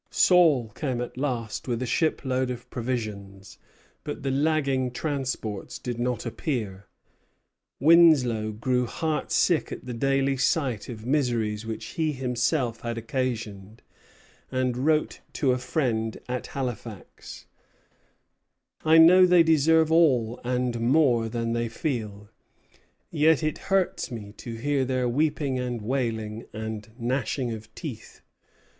Saul came at last with a shipload of provisions; but the lagging transports did not appear. Winslow grew heartsick at the daily sight of miseries which he himself had occasioned, and wrote to a friend at Halifax: "I know they deserve all and more than they feel; yet it hurts me to hear their weeping and wailing and gnashing of teeth.